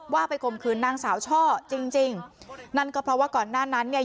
ว่าไปข่มขืนนางสาวช่อจริงจริงนั่นก็เพราะว่าก่อนหน้านั้นเนี่ย